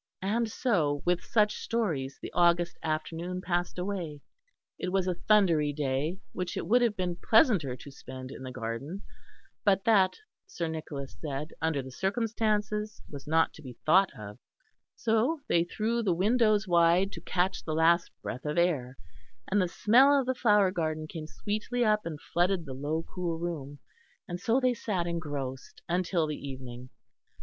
And so with such stories the August afternoon passed away. It was a thundery day, which it would have been pleasanter to spend in the garden, but that, Sir Nicholas said, under the circumstances was not to be thought of; so they threw the windows wide to catch the least breath of air; and the smell of the flower garden came sweetly up and flooded the low cool room; and so they sat engrossed until the evening.